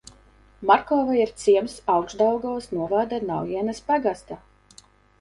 Markova ir ciems Augšdaugavas novada Naujenes pagastā.